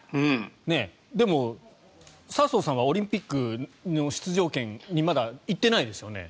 でも笹生さんはオリンピックの出場権にまだ行ってないですよね。